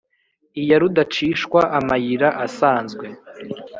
Iya rudacishwa amayira asanzwe